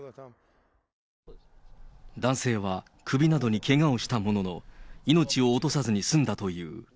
男性は首などにけがをしたものの、命を落とさずに済んだという。